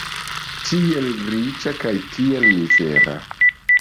Tiel riĉa kaj tiel mizera!